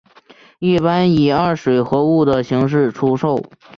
一般以二水合物的形式出售。